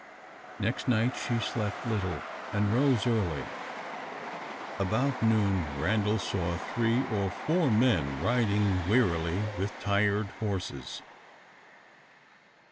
Next night she slept little, and rose early. About noon, Randal saw three or four men riding wearily, with tired horses.